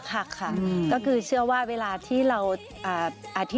กลางแม่นก็คืออันที่นี่